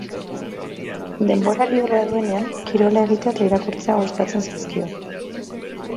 Denbora librea duenean, kirola egitea eta irakurtzea gustatzen zaizkio.